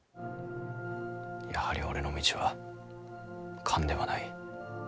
やはり俺の道は官ではない。